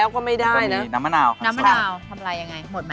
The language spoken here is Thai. ใช่มีกระป๋อน